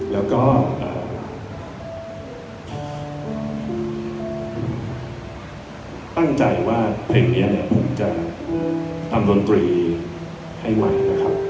แล้วก็ตั้งใจว่าเพลงนี้เนี่ยผมจะทำดนตรีให้ใหม่นะครับ